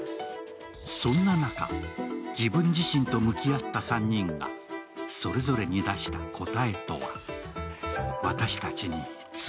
そんな中、自分自身と向き合った３人がそれぞれに出した答えとは？